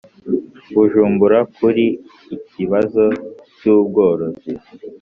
Bujumbura kuri ikibazo cy ubworozi